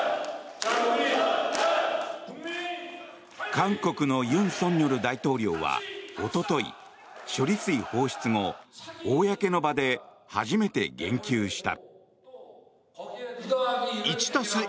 韓国の尹錫悦大統領はおととい処理水放出後公の場で初めて言及した。